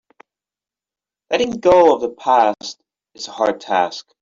Letting go of the past is a hard task.